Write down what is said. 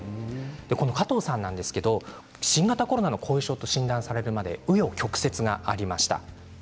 この加藤さんなんですけど新型コロナの後遺症と診断されるまでう余曲折がありました。